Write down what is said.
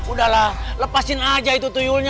udahlah lepasin aja itu toyolnya